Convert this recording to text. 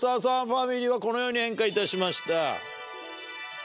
ファミリーはこのように変化いたしました。